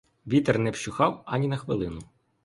Вітер не вщухав ані на хвилину.